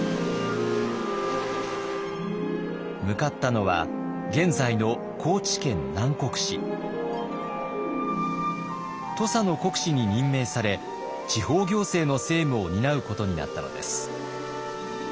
向かったのは現在の土佐の国司に任命され地方行政の政務を担うことになったのです。